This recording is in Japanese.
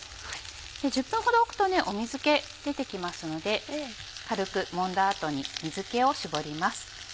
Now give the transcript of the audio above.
１０分ほどおくと水気出て来ますので軽くもんだ後に水気をしぼります。